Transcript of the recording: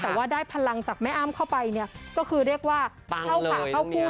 แต่ว่าได้พลังจากแม่อ้ำเข้าไปเนี่ยก็คือเรียกว่าเข้าขาเข้าคู่